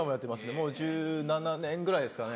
もう１７年ぐらいですかね。